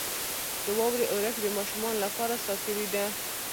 • د واورې اورښت د ماشومانو لپاره ساتیري ده.